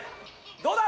どうだ？